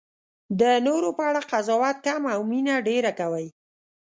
د نورو په اړه قضاوت کم او مینه ډېره کوئ.